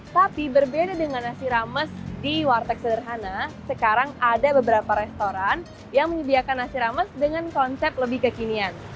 tapi berbeda dengan nasi rames di warteg sederhana sekarang ada beberapa restoran yang menyediakan nasi rames dengan konsep lebih kekinian